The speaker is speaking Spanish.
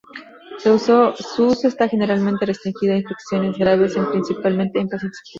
Su uso está generalmente restringido a infecciones graves en principalmente en pacientes hospitalizados.